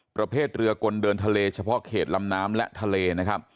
ประเภทเรือกลเดินทะเลเฉพาะเขตลำน้ำและทะเลนะครับ